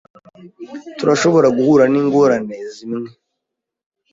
Turashobora guhura n'ingorane zimwe.